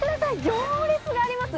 行列があります。